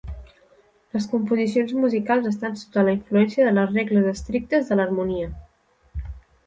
Les composicions musicals estan sota la influència de les regles estrictes de l'harmonia.